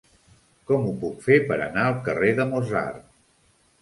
Com ho puc fer per anar al carrer de Mozart?